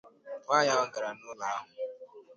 nwaanyị ahụ gàrà n'ụlọ ahụ